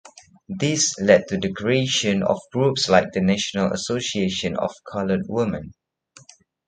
This led to the creation of groups like the National Association of Colored Women.